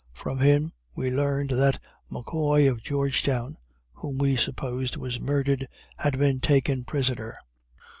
From him we learned that McCoy of Georgetown, whom we supposed was murdered, had been taken prisoner.